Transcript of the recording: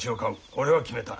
俺は決めた。